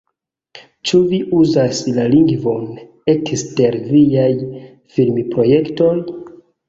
Ĉu vi uzas la lingvon ekster viaj filmprojektoj?